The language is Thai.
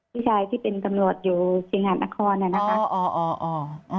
พี่ชายที่เป็นตำรวจอยู่เฉียงหันต์นกร